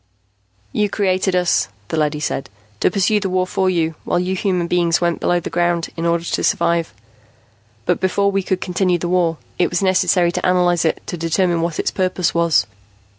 "You created us," the leady said, "to pursue the war for you, while you human beings went below the ground in order to survive. But before we could continue the war, it was necessary to analyze it to determine what its purpose was.